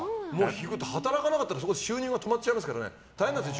働かなかったら収入が止まっちゃいますから大変なんですよ。